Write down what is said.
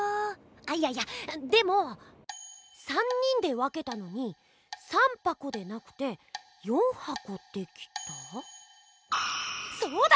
あいやいやでも３人で分けたのに３ぱこでなくて４はこできた⁉そうだ！